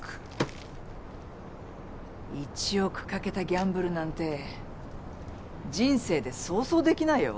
１億賭けたギャンブルなんて人生でそうそうできないよ。